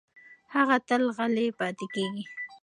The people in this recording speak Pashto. هغه تل غلې پاتې کېږي.